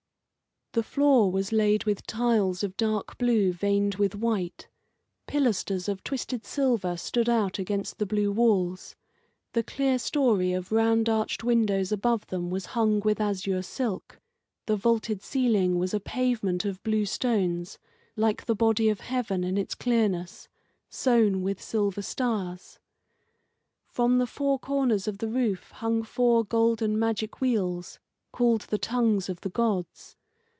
The floor was laid with tiles of dark blue veined with white; pilasters of twisted silver stood out against the blue walls; the clear story of round arched windows above them was hung with azure silk; the vaulted ceiling was a pavement of blue stones, like the body of heaven in its clearness, sown with silver stars. From the four corners of the roof hung four golden magic wheels, called the tongues of the gods.